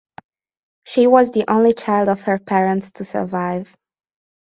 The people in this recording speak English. She was the only child of her parents to survive.